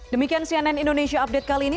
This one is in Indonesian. demikian cnn indonesia update kali ini